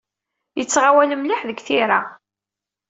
Yettɣawal mliḥ deg tira.